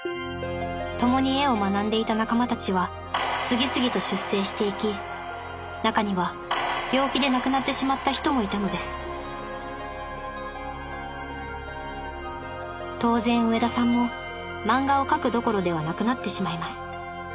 共に絵を学んでいた仲間たちは次々と出征していき中には病気で亡くなってしまった人もいたのです当然上田さんも漫画を描くどころではなくなってしまいます。